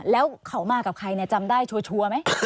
แล้วเขามากับใครจำได้ชัวร์ไหม